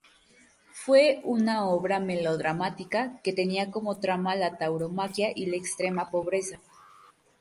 Fue una obra melodramática, que tenía como trama la tauromaquia y la extrema pobreza.